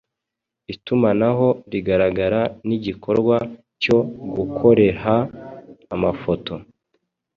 Itumanaho rigaragara nigikorwa cyo gukoreha amafoto,